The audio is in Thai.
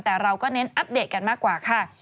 แต่เราก็เน้นอัปเดตกันมากกว่าค่ะ